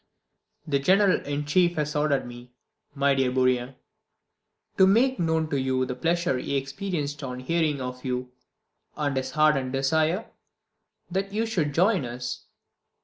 The General in Chief has ordered me, my dear Bourrienne, to make known to you the pleasure he experienced on hearing of you, and his ardent desire that you should join us.